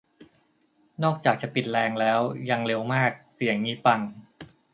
นอกจากจะปิดแรงแล้ว ยังเร็วมาก เสียงงี้ ปัง !